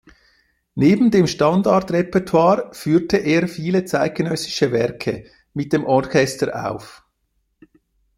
Neben dem Standardrepertoire führte er viele zeitgenössische Werke mit dem Orchester auf.